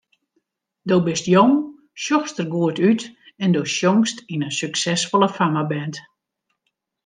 Do bist jong, sjochst der goed út en do sjongst yn in suksesfolle fammeband.